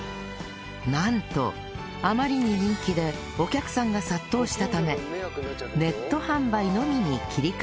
なんとあまりに人気でお客さんが殺到したためネット販売のみに切り替えたのだそう